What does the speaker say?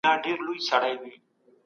شاه ولي الله احمد شاه بابا ته څه ولیکل؟